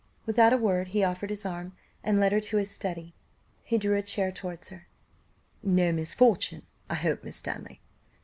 Without a word, he offered his arm, and led her to his study; he drew a chair towards her "No misfortune, I hope, Miss Stanley?